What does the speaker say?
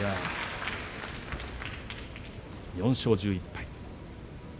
４勝１１敗。